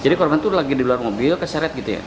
jadi korban itu lagi di luar mobil terseret gitu ya